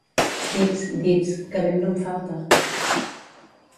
Dits, dits, que vent no en falta!